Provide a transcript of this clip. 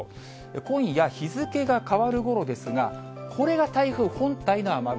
今夜日付が変わるごろですが、これが台風本体の雨雲。